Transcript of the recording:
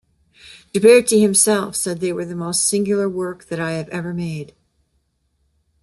Ghiberti himself said they were "the most singular work that I have ever made".